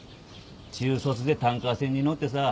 中卒でタンカー船に乗ってさ。